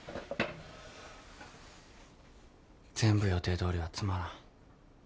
全部予定どおりはつまらん。